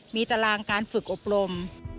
มีตารางการฝึกอบรม